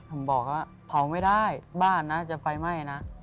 ผมบอกว่าเผาไม่ได้บ้านนะจะไฟไหม้นะ